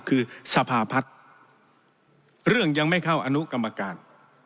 คือสภาพัฒน์เรื่องยังไม่เข้าอนุกรรมการ